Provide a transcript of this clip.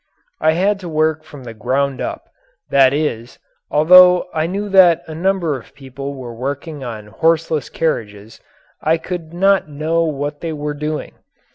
I had to work from the ground up that is, although I knew that a number of people were working on horseless carriages, I could not know what they were doing.